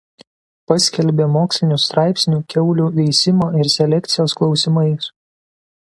Paskelbė mokslinių straipsnių kiaulių veisimo ir selekcijos klausimais.